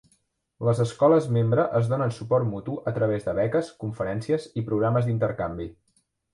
Les escoles membre es donen suport mutu a través de beques, conferències i programes d'intercanvi.